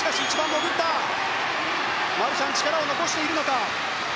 マルシャン力を残しているのか。